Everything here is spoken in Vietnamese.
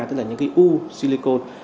tức là những cái u silicone